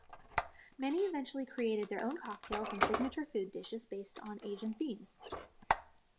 Many eventually created their own cocktails and signature food dishes based on Asian themes.